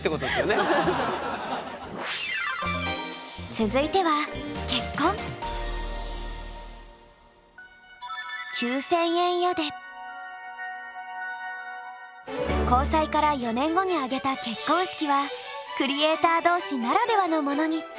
続いては交際から４年後に挙げた結婚式はクリエーター同士ならではのものに！